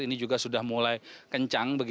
ini juga sudah mulai kencang